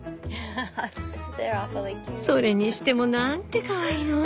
それにしてもなんてかわいいの！